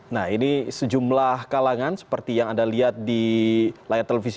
nah ini sejumlah kalangan seperti yang anda lihat di layar televisi